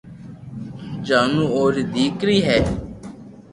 جانو اوري ديڪري ھي